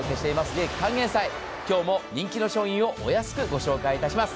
利益還元祭、今日も人気の商品をお安くお届けいたします。